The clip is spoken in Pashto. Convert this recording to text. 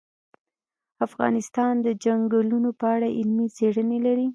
افغانستان د چنګلونه په اړه علمي څېړنې لري.